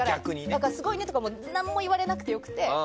だから、すごいねとか何も言われなくてもよくて。